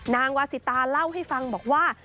นางวาสิตาเล่าให้ฟังบอกว่า